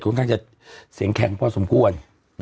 คือค่อนข้างจะเสียงแค่งพ่อสมควร